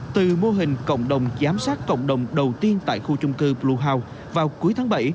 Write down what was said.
từ mô hình cộng đồng giám sát cộng đồng đầu tiên tại khu chung cư blueo vào cuối tháng bảy